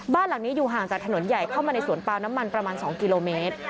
บ้านหลังนี้อยู่ห่างจากถนนใหญ่เข้ามาในสวนปาล์น้ำมันประมาณ๒กิโลเมตร